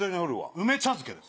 梅茶漬けです。